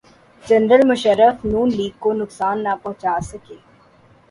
General Musharraf Noon League کو نقصان نہ پہنچا سکے۔